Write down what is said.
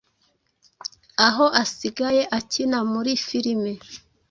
aho asigaye akina muri filime